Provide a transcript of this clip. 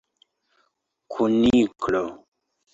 kuniklo